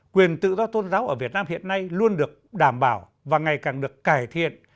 quyền tự do tôn giáo ở việt nam hiện nay luôn được đảm bảo và ngày càng được cải thiện